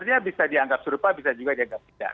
artinya bisa dianggap serupa bisa juga dianggap tidak